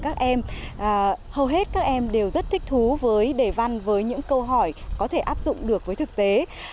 các em hầu hết các em đều rất thích thú với đề văn với những câu hỏi có thể áp dụng được với thực tế